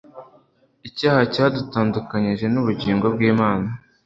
Icyaha cyadutandukanyije n'ubugingo bw'Imana.